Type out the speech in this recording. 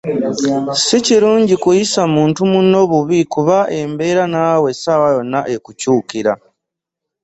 Si kirungi kuyisa muntu munno bubi kuba embeera naawe ssaawa yonna ekukyukira.